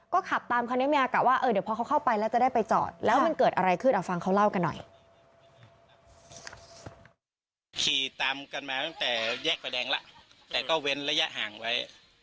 ก็ขับตามคันนี้มีอากาศว่าเดี๋ยวพอเขาเข้าไปแล้วจะได้ไปจอดแล้วมันเกิดอะไรขึ้นเอาฟังเขาเล่ากันหน่อย